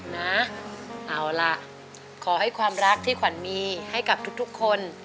นะเอาล่ะขอให้ความรักที่ขวัญมีให้กับทุกคน